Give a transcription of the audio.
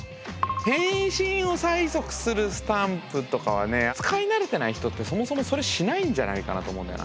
返信を催促するスタンプとかはね使い慣れてない人ってそもそもそれしないんじゃないかなと思うんだよな。